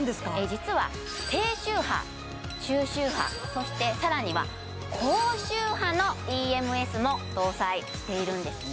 実は低周波中周派そしてさらには高周波のＥＭＳも搭載しているんですね